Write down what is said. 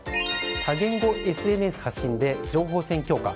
多言語ＳＮＳ発信で情報戦強化。